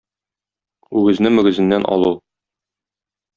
Үгезне мөгезеннән алу